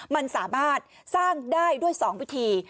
มันสามารถสร้างได้ด้วย๒วิธี